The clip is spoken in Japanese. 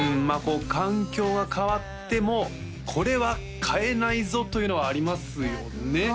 まあこう環境が変わってもこれは変えないぞというのはありますよね